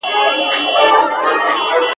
د هغه په فیصله دي کار سمېږي